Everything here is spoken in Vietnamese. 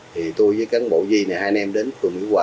thì tôi với cán bộ di này hai anh em đến phường mỹ hòa